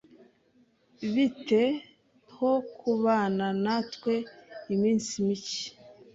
Bite ho kubana natwe iminsi mike?